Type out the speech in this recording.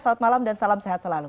selamat malam dan salam sehat selalu